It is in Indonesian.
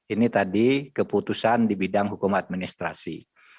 ini tadi keputusan di bidang hukum administrasi